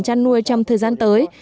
chăn nuôi trong thời gian tới